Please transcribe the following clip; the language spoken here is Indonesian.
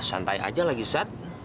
santai aja lagi sat